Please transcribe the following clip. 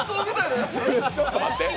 ちょっと待って！